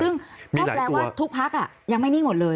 ซึ่งก็แปลว่าทุกพักยังไม่นิ่งหมดเลย